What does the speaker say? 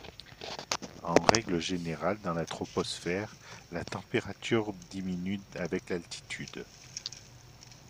En règle générale dans la troposphère, la température diminue avec l’altitude.